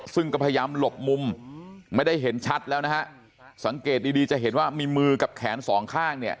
ซึ่งก็พยายามหลบมุมไม่ได้เห็นชัดแล้วนะฮะสังเกตดีดีจะเห็นว่ามีมือกับแขนสองข้างเนี่ย